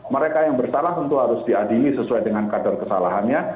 mereka yang bersalah tentu harus diadili sesuai dengan kadar kesalahannya